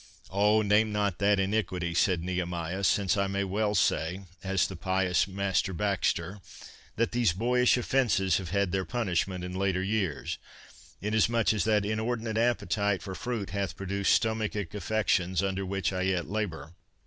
"Oh, name not that iniquity," said Nehemiah, "since I may well say, as the pious Master Baxter, that these boyish offences have had their punishment in later years, inasmuch as that inordinate appetite for fruit hath produced stomachic affections under which I yet labour."